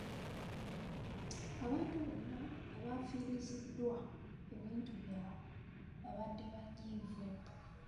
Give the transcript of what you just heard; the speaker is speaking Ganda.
Abantu bonna abaafiiriziddwa ebintu byabwe baabadde banyiivu.